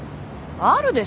あるでしょ。